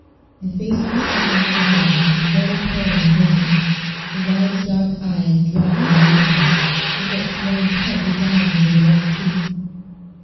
The face which she saw in the glass was very pale and rigid; the large dark eyes dry and lustrous, the lips drawn tightly down over the white teeth.